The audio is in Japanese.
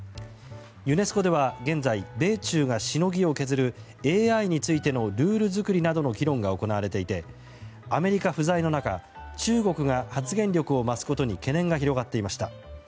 ユネスコでは現在米中がしのぎを削るＡＩについてのルール作りなどの議論が行われていてアメリカ不在の中中国が発言力を増すことに懸念が広がっていました。